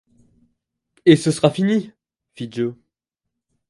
Et ce sera fini ! fit Joe.